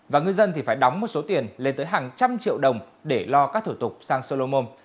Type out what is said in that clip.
và ngư dân thì phải đóng một số tiền lên tới hàng trăm triệu đồng để lo các thủ tục sang solom